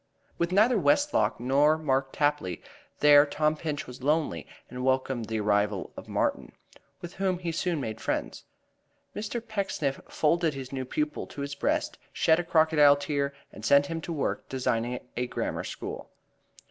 With neither Westlock nor Mark Tapley there Tom Pinch was lonely and welcomed the arrival of Martin, with whom he soon made friends. Mr. Pecksniff folded his new pupil to his breast, shed a crocodile tear and set him to work designing a grammar school.